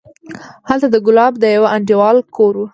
هلته د ګلاب د يوه انډيوال کور و.